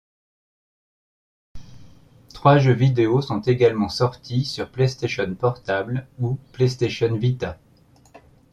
Trois jeux vidéo sont également sortis sur PlayStation Portable ou PlayStation Vita.